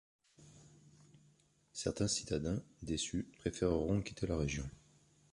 Certains citadins, déçus, préfèreront quitter la région.